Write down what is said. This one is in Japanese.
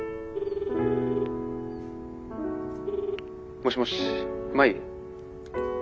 もしもし舞？